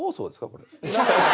これ。